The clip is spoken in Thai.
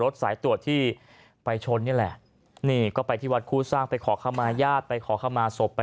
สายตรวจที่ไปช้นนี่แหละ